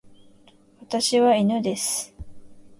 私は犬です。